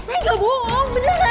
saya gak bohong beneran